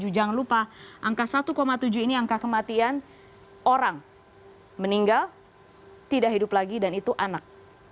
jangan lupa angka satu tujuh ini angka kematian orang meninggal tidak hidup lagi dan itu anak